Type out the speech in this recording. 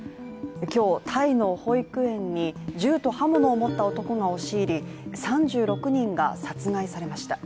今日、タイの保育園に銃と刃物を持った男が押し入り３６人が殺害されました。